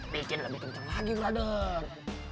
bikin lebih kenceng lagi brother